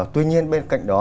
tuy nhiên bên cạnh đó